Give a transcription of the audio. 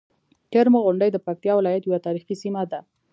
کرمو غونډۍ د پکتيکا ولايت یوه تاريخي سيمه ده.